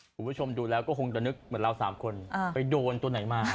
คุณผู้ชมดูแล้วก็คงจะนึกเหมือนเรา๓คนไปโดนตัวไหนมา